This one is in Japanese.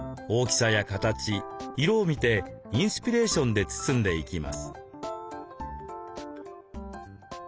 大きさや形色を見てインスピレーションで包んでいきます。